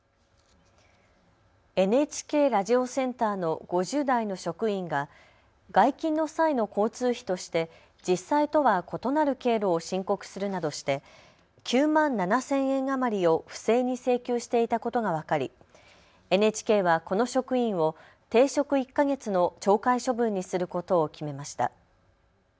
ＮＨＫラジオセンターの５０代の職員が外勤の際の交通費として実際とは異なる経路を申告するなどして９万７０００円余りを不正に請求していたことが分かりＮＨＫはこの職員を停職１か月の懲戒処分にすることを決めました。